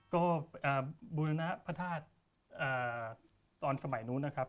ก็บุรณภัทธาสน์ตอนสมัยนู้นนะครับ